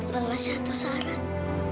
dengan satu syarat